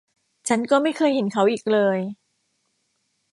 ฉันก็ไม่เคยเห็นเขาอีกเลย